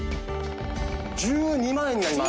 １２万円になります。